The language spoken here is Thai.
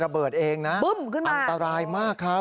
บึ้มขึ้นมาอันตรายมากครับ